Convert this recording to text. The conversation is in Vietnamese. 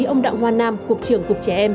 ông đặng hoa nam cục trưởng cục trẻ em